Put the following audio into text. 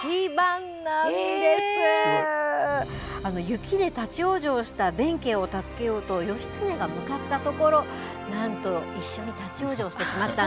雪で立ち往生した弁慶を助けようと義経が向かったところなんと一緒に立ち往生してしまったんです。